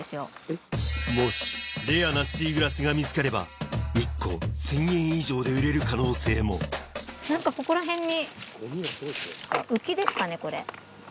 もしレアなシーグラスが見つかれば１個１０００円以上で売れる可能性も何かここら辺に。